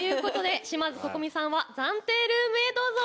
島津心美さんは暫定ルームへどうぞ。